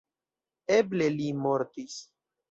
Eble li mortis.